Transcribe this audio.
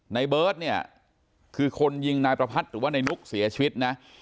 ในเบิร์ตเนี่ยคือคนยิงนายประพัทธ์หรือว่านายนุกเสียชีวิตนะ